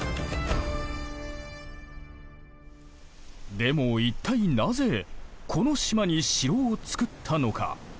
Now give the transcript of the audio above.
でも一体なぜこの島に城を造ったのか。